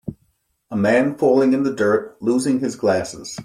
A man falling in the dirt, losing his glasses.